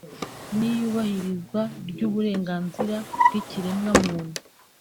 n’iyubahirzwa ry’uburenganzira bw’ikiremwa-muntu